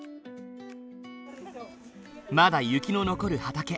まだ雪の残る畑。